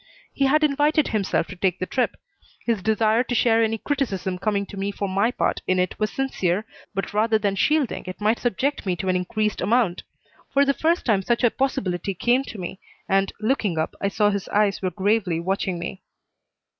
He had invited himself to take the trip. His desire to share any criticism coming to me for my part in it was sincere, but rather than shielding it might subject me to an increased amount. For the first time such a possibility came to me, and, looking up, I saw his eyes were gravely watching me.